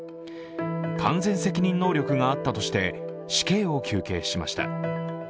完全責任能力があったとして死刑を求刑しました。